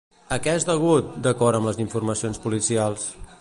A què és degut, d'acord amb les informacions policials?